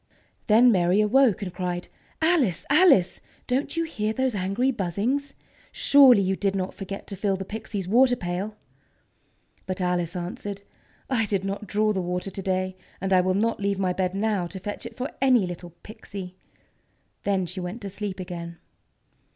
Then Mary awoke, and cried: "Alice! Alice! Don't you hear those angry buzzings? Surely you did not forget to fill the Pixies' water pail!" But Alice answered: "I did not draw the water to day. And I will not leave my bed now to fetch it for any little Pixy!" Then she went to sleep again.